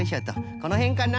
このへんかな？